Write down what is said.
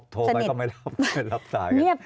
โทรไปก็ไม่รับสาย